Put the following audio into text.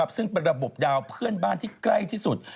ซึ่งเป็นระบบดาวเพื่อนบ้านที่ใกล้ที่สุด